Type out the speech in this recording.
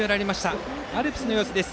そのアルプスの様子です。